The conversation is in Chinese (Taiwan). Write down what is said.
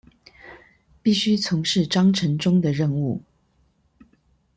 必須從事章程中的任務